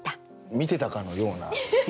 見てたかのような。